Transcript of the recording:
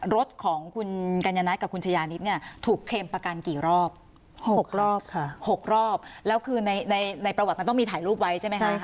๖รอบค่ะ๖รอบแล้วคือในประวัติมันต้องมีถ่ายรูปไว้ใช่ไหมค่ะ